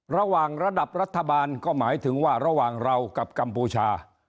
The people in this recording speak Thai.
ระดับรัฐบาลก็หมายถึงว่าระหว่างเรากับกัมพูชา